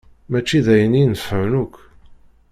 Mačči d ayen inefεen akk.